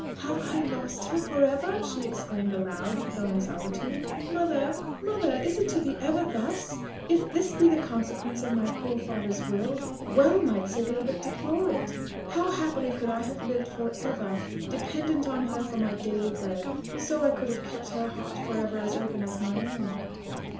"Have I lost her for ever!" she exclaimed aloud, though in solitude. "Mother! mother! is it to be ever thus! If this be the consequence of my poor father's will, well might Sir Gilbert deplore it! How happily could I have lived for ever, dependent on her for my daily bread, so I could have kept her heart for ever as open as my own!"